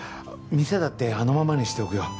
店だってあのままにしておくよ